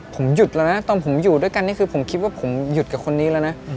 ผมหยุดแล้วนะตอนผมอยู่ด้วยกันนี่คือผมคิดว่าผมหยุดกับคนนี้แล้วนะ